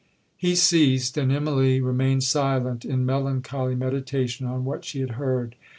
'He ceased, and Immalee remained silent in melancholy meditation on what she had heard.